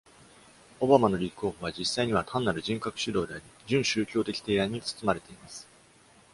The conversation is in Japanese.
オバマの立候補は実際には単なる人格主導であり、準宗教的提案に包まれています。